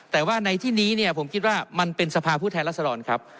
แต่ว่าในที่นี้เนี่ยผมคิดว่ามันเป็นสภาพผู้แทนรัศดรครับ